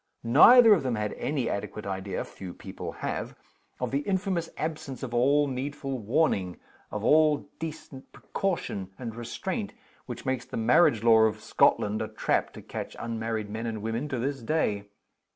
Neither of them had any adequate idea (few people have) of the infamous absence of all needful warning, of all decent precaution and restraint, which makes the marriage law of Scotland a trap to catch unmarried men and women, to this day.